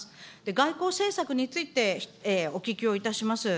外交政策についてお聞きをいたします。